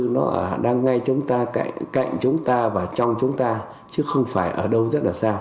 nó đang ngay cạnh chúng ta và trong chúng ta chứ không phải ở đâu rất là xa